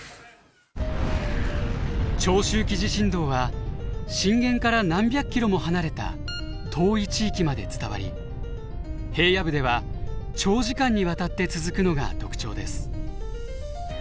長周期地震動は震源から何百キロも離れた遠い地域まで伝わり平野部では長時間にわたって続くのが特徴です。